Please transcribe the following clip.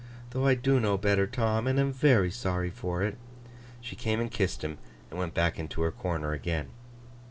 Though I do know better, Tom, and am very sorry for it.' She came and kissed him, and went back into her corner again.